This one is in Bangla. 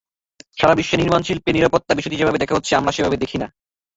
সারা বিশ্বে নির্মাণশিল্পের নিরাপত্তার বিষয়টি যেভাবে দেখা হয়, আমরা সেভাবে দেখি না।